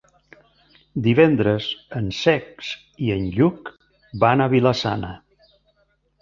Divendres en Cesc i en Lluc van a Vila-sana.